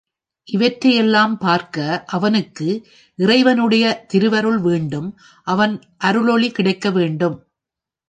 இவற்றையெல்லாம் பார்க்க அவனுக்கு இறைவனுடைய திருவருள் வேண்டும் அவன் அருளொளி கிடைக்க வேண்டும்.